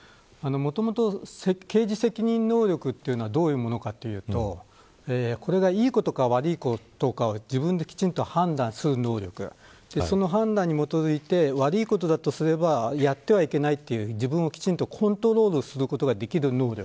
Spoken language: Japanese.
もともと刑事責任能力というのはどういうものかというとこれが良いことか悪いことかを自分できちんと判断する能力その判断に基づいて悪いことだとすればやってはいけないという自分をきちんとコントロールすることができる能力